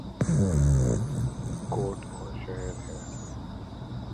کوٹ ادو شہر ہے